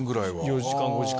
４時間５時間。